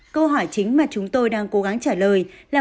câu hỏi chính mà chúng tôi đang cố gắng trả lời là